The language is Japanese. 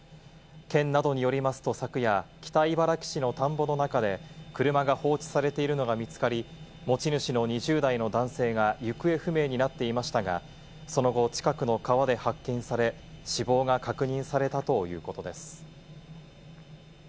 県などによりますと、昨夜、北茨城市の田んぼの中で、車が放置されているのが見つかり、持ち主の２０代の男性が行方不明になっていましたが、その後、近くの川で発見され、死亡が確認されたということです。